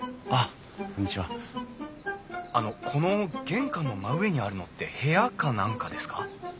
あのこの玄関の真上にあるのって部屋か何かですか？